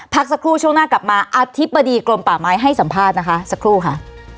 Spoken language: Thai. พักสักครู่ช่วงหน้ากลับมาอธิบดีกรมป่าไม้ให้สัมภาษณ์นะคะสักครู่ค่ะ